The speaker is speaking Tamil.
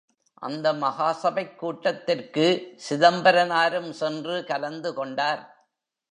அந்த மகா சபைக் கூட்டத்திற்கு சிதம்பரனாரும் சென்று கலந்து கொண்டார்.